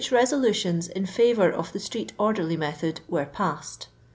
resolutions in &vour of the ttreet«rder]y method ' t were passed.